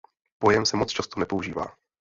Pojem se moc často nepoužívá.